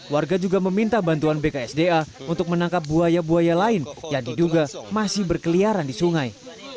warga juga meminta bantuan bksda untuk menangkap buaya buaya lain yang diduga masih berkeliaran di sungai